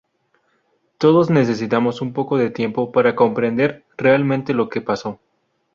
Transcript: Todos necesitamos un poco de tiempo para comprender realmente lo que pasó.